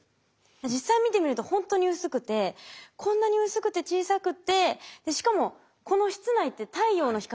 実際見てみるとほんとに薄くてこんなに薄くて小さくてしかもこの室内って太陽の光一切ないじゃないですか。